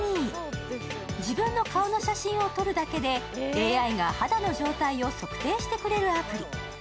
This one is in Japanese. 自分の顔の写真を撮るだけでＡＩが肌の状態を測定してくれるアプリ。